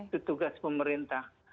itu tugas pemerintah